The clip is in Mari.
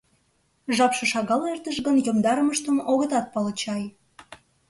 Жапше шагал эртыш гын, йомдарымыштым огытат пале чай.